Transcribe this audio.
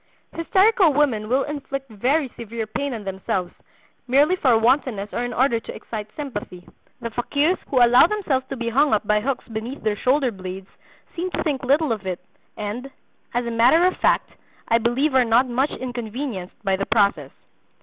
Hysterical women will inflict very severe pain on themselves—merely for wantonness or in order to excite sympathy. The fakirs who allow themselves to be hung up by hooks beneath their shoulder blades seem to think little of it and, as a matter of fact, I believe are not much inconvenienced by the process."